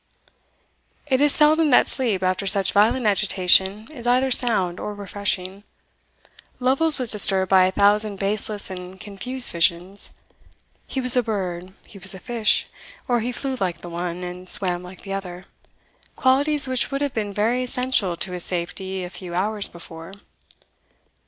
It is seldom that sleep, after such violent agitation, is either sound or refreshing. Lovel's was disturbed by a thousand baseless and confused visions. He was a bird he was a fish or he flew like the one, and swam like the other, qualities which would have been very essential to his safety a few hours before.